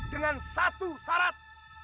dengan satu syarat